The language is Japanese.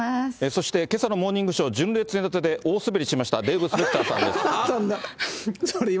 そしてけさのモーニングショー、純烈ネタで大すべりしましたデーブ・スペクターさんです。